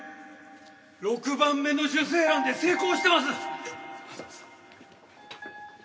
６番目の受精卵で成功してます！